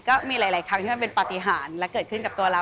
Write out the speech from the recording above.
ก็มีหลายครั้งที่มันเป็นปฏิหารและเกิดขึ้นกับตัวเรา